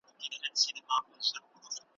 ماشوم د مور په غږ غبرګون ښيي.